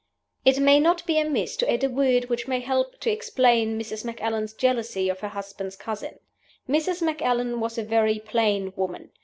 "It may not be amiss to add a word which may help to explain Mrs. Macallan's jealousy of her husband's cousin. Mrs. Macallan was a very plain woman.